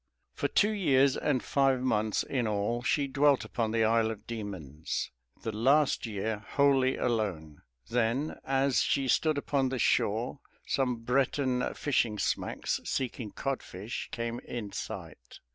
For two years and five months in all she dwelt upon the Isle of Demons, the last year wholly alone. Then, as she stood upon the shore, some Breton fishing smacks, seeking codfish, came in sight.